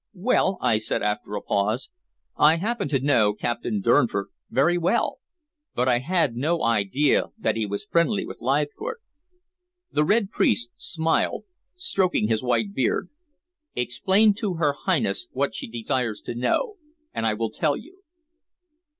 "Well," I said after a pause, "I happen to know Captain Durnford very well, but I had no idea that he was friendly with Leithcourt." The Red Priest smiled, stroking his white beard. "Explain to her Highness what she desires to know, and I will tell you."